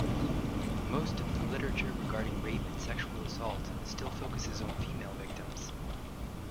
Most of the literature regarding rape and sexual assault still focuses on female victims.